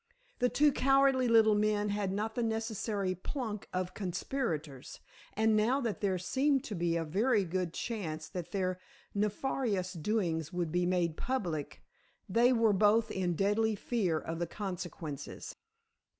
The two cowardly little men had not the necessary pluck of conspirators, and now that there seemed to be a very good chance that their nefarious doings would be made public they were both in deadly fear of the consequences.